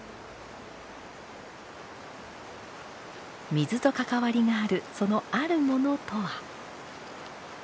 水と関わりがあるその「ある物」とは。